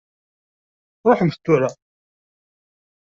Ṛuḥemt tura.